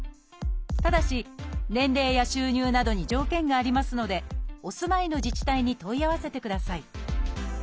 ただし年齢や収入などに条件がありますのでお住まいの自治体に問い合わせてください。